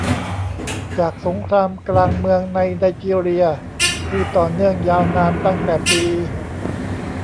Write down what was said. จากสงครามกลางเมืองในไนจีเรียที่ต่อเนื่องยาวนานตั้งแต่ปี